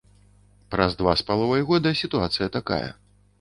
Праз два з паловай года сітуацыя такая.